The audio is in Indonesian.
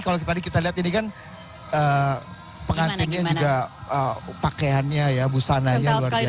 kalau tadi kita lihat ini kan pengantinnya juga pakaiannya ya busananya luar biasa